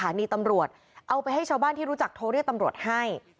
ณีตำรวจเอาไปให้ชาวบ้านที่รู้จักโทรเรียกตำรวจให้